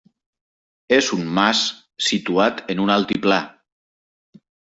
És un mas situat en un altiplà.